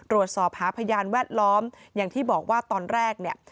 ตรวจสอบหาพยานแวดล้อมอย่างที่บอกว่าตอนแรกเนี่ย